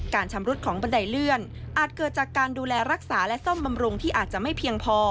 ชำรุดของบันไดเลื่อนอาจเกิดจากการดูแลรักษาและซ่อมบำรุงที่อาจจะไม่เพียงพอ